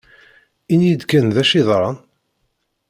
Ini-yi-d kan d acu yeḍran!